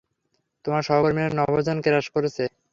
তোমার সহকর্মীরা নভোযান ক্র্যাশ করেছে।